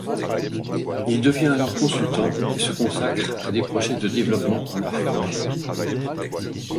Il devient alors consultant et se consacre à des projets de développement en Afrique.